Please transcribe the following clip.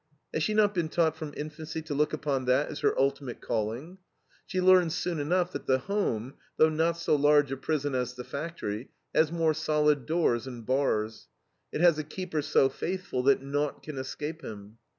Has she not been taught from infancy to look upon that as her ultimate calling? She learns soon enough that the home, though not so large a prison as the factory, has more solid doors and bars. It has a keeper so faithful that naught can escape him.